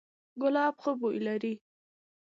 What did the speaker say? ګلاب ښه بوی لري